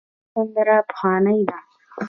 دا سندره پخوانۍ ده.